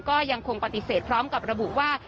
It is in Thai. ก็ยังคงปฏิเสธพร้อมกับระบุว่า